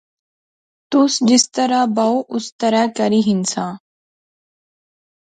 تس جس طرح بائو اسے طرح کری ہنساں